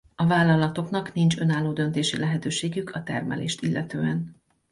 A vállalatoknak nincs önálló döntési lehetőségük a termelést illetően.